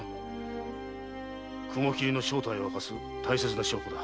雲切の正体を明かす大切な証拠だ。